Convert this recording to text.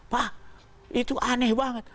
pak itu aneh banget